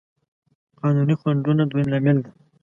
قانوني خنډونه دويم لامل دی.